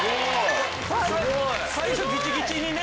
最初ギチギチにね。